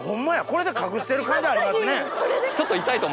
これで隠してる感じありますね。